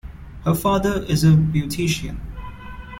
Her father is a beautician.